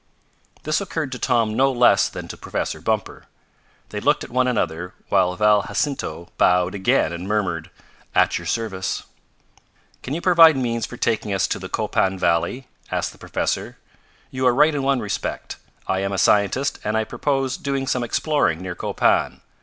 This occurred to Tom no less than to Professor Bumper. They looked at one another while Val Jacinto bowed again and murmured: "At your service!" "Can you provide means for taking us to the Copan valley?" asked the professor. "You are right in one respect. I am a scientist and I purpose doing some exploring near Copan.